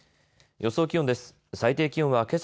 予想気温です。